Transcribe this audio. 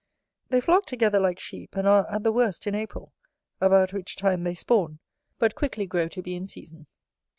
They flock together like sheep, and are at the worst in April, about which time they spawn; but quickly grow to be in season.